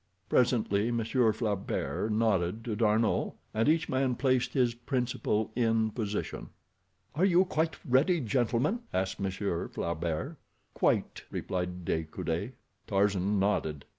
Presently Monsieur Flaubert nodded to D'Arnot, and each man placed his principal in position. "Are you quite ready, gentlemen?" asked Monsieur Flaubert. "Quite," replied De Coude. Tarzan nodded.